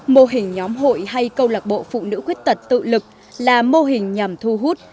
mô hình nhóm hội hay câu lạc bộ phụ nữ khuyết tật tự lực là mô hình nhằm thu hút